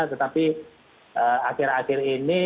tetapi akhir akhir ini